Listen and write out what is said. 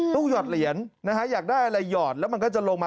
หยอดเหรียญนะฮะอยากได้อะไรหยอดแล้วมันก็จะลงมา